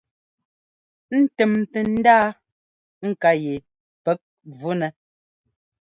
Ńtɛ́mtɛ ndaa ŋká yɛ pɛ́k vunɛ.